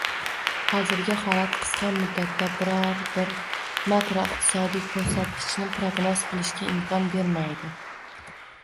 Hozirgi holat qisqa muddatda biron bir makroiqtisodiy ko'rsatkichni prognoz qilishga imkon bermaydi